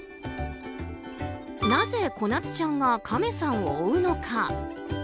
なぜ、こなつちゃんがカメさんを追うのか。